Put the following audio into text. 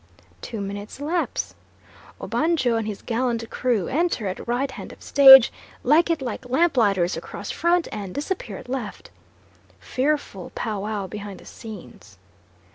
Two minutes elapse. Obanjo and his gallant crew enter at right hand of stage, leg it like lamplighters across front, and disappear at left. Fearful pow wow behind the scenes.